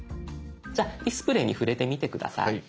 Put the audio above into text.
じゃ「ディスプレイ」に触れてみて下さい。